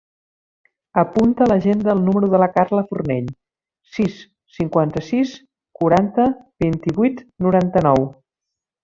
Apunta a l'agenda el número de la Carla Fornell: sis, cinquanta-sis, quaranta, vint-i-vuit, noranta-nou.